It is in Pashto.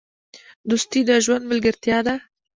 دوستي د ژوند ملګرتیا ده.